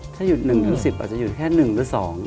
ถ้าหยุด๑๑๐อาจจะหยุดแค่๑หรือ๒